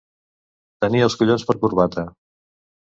Tenir els collons per corbata.